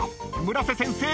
村瀬先生